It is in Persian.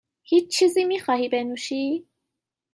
هیچ چیزی میخواهی بنوشی؟